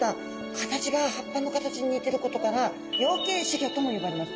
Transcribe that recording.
形が葉っぱの形に似てることから葉形仔魚とも呼ばれます。